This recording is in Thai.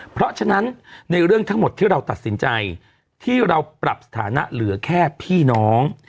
เพราะฉะนั้นในเรื่องทั้งหมดที่เราตัดสินใจที่เราปรับสถานะเหลือแค่พี่น้อง